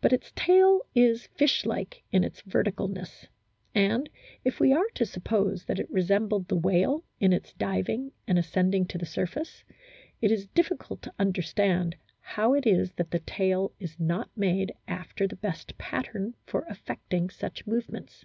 But its tail is fish like in its verticalness ; and, if we are to suppose that it resembled the whale in its diving and ascending to the surface, it is difficult to understand how it is that the tail is not made after the best pattern for affecting such movements.